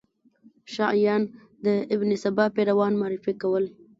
شیعیان د ابن سبا پیروان معرفي کول.